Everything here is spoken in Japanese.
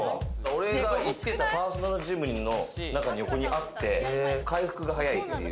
俺が行ってたパーソナルジムの横にあって、回復が早いという。